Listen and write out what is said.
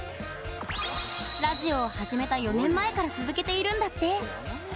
ラジオを始めた４年前から続けているんだって。